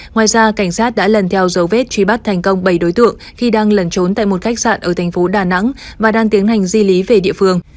ngoài ra cảnh sát đã lần theo dấu vết truy bắt thành công bảy đối tượng khi đang lẩn trốn tại một khách sạn ở thành phố đà nẵng và đang tiến hành di lý về địa phương